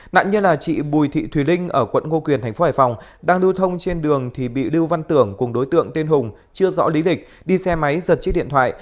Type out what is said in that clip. nạn nhân là chị bùi thị thùy linh ở quận ngô quyền tp hải phòng đang lưu thông trên đường thì bị lưu văn tưởng cùng đối tượng tên hùng chưa rõ lý lịch đi xe máy giật chiếc điện thoại